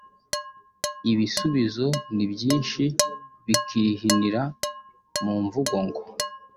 Ibisubizo ni byinshi bikihinira mu mvugo ngo